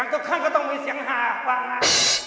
แล้วกันตุขั้นก็ต้องมีเสียงหาฟักหมา